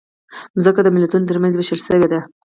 مځکه د ملتونو ترمنځ وېشل شوې ده.